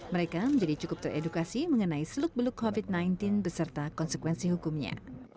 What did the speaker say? mereka menjadi cukup teredukasi mengenai seluk beluk covid sembilan belas beserta konsekuensi hukumnya